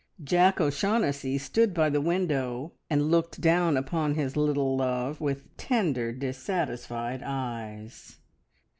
Jack O'Shaughnessy stood by the window, and looked down upon his little love with tender, dissatisfied eyes.